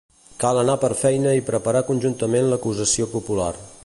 Cal anar per feina i preparar conjuntament l'acusació popular.